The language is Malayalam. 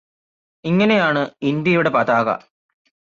ഇങ്ങനെയാണ് ഇന്ത്യയുടെ പതാക